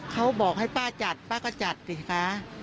เขาบอกให้ป้าจัดป้าก็จัดสิคะ